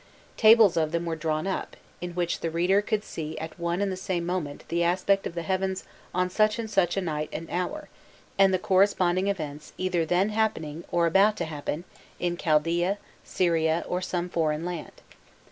Tables of them were drawn up, in which the reader could see at one and the same moment the aspect of the heavens on such and such a night and hour, and the corresponding events either then happening, or about to happen, in Chaldaean, Syria, or some foreign land.